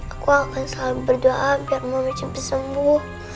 aku akan selalu berdoa biar mama cipta sembuh